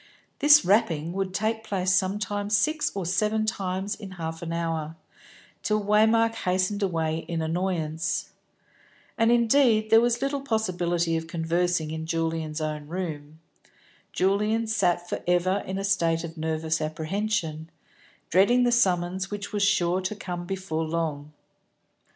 This rapping would take place sometimes six or seven times in half an hour, till Waymark hastened away in annoyance. And indeed there was little possibility of conversing in Julian's own room. Julian sat for ever in a state of nervous apprehension, dreading the summons which was sure to come before long.